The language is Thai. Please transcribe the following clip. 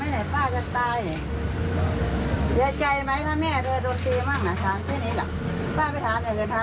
ไหนป้าจะตายเดี๋ยวใจไหมถ้าแม่เธอโดนเตียบบ้างน่ะ